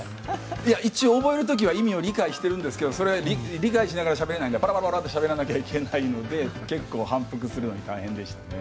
一応、覚える時は意味を理解しているんですが理解しながらしゃべれないのでパラパラッと話さないのいけないので結構覚えるのが大変ですが。